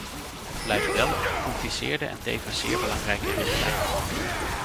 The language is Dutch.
Het blijft wel een gecompliceerde en tevens zeer belangrijke richtlijn.